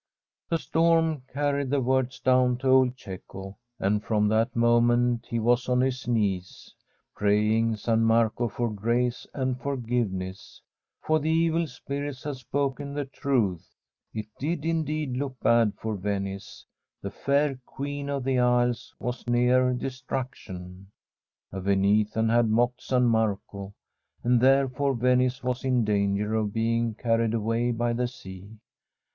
The storm carried the words down to old Cecco, and from that moment he was on his knees, pray* ing San Marco for grace and forgiveness. For the evil spirits had spoken the truth. It did in deed look bad for Venice. The fair Queen of the Isles was near destruction. A Venetian had mocked San Marco, and therefore Venice was in danger of being carried away by the sea.